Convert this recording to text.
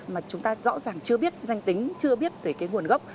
mà chúng ta rõ ràng chưa biết danh tính chưa biết về cái nguồn gốc